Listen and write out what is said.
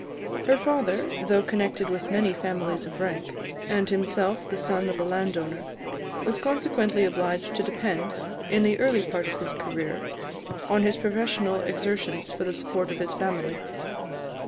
Her father, though connected with many families of rank, and himself the son of a landowner, was consequently obliged to depend, in the early part of his career, on his professional exertions for the support of his family.